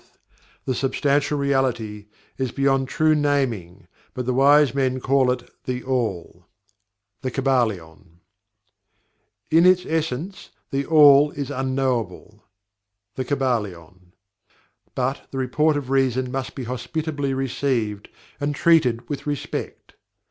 "THAT which is the Fundamental Truth the Substantial Reality is beyond true naming, but the Wise Men call it THE ALL." The Kybalion. "In its Essence, THE ALL is UNKNOWABLE." The Kybalion. "But, the report of Reason must be hospitably received, and treated with respect."